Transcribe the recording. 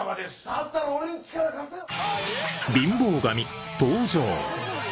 だったら俺に力貸せよ！